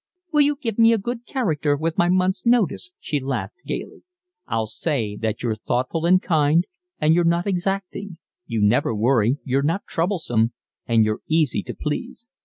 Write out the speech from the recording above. "Will you give me a good character with my month's notice?" she laughed gaily. "I'll say that you're thoughtful and kind, and you're not exacting; you never worry, you're not troublesome, and you're easy to please."